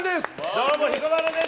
どうも、彦摩呂です。